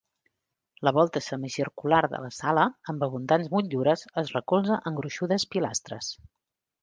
La volta semicircular de la sala, amb abundants motllures, es recolza en gruixudes pilastres.